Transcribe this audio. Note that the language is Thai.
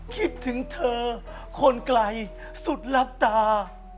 คิดถึงเธอคนไกลสุดรับตา